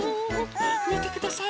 みてください